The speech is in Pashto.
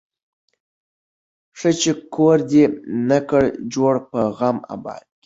ښه چي کور دي نه کړ جوړ په غم آباد کي